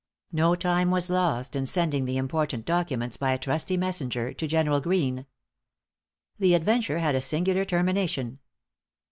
No time was lost in sending the important documents by a trusty messenger to General Greene. The adventure had a singular termination.